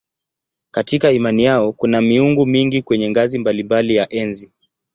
Katika imani yao kuna miungu mingi kwenye ngazi mbalimbali ya enzi.